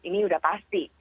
ini udah pasti